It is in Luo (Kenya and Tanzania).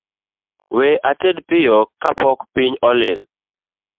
We ated piyo kapok piny olil